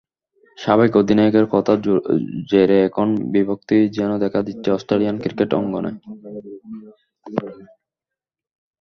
সাবেক অধিনায়কের কথার জেরে এখন বিভক্তিই যেন দেখা দিচ্ছে অস্ট্রেলিয়ার ক্রিকেট অঙ্গনে।